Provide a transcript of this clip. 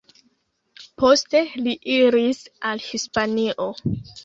Poste li iris al Hispanio.